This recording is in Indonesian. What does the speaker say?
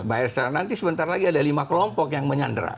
bayar secara nanti sebentar lagi ada lima kelompok yang menyandera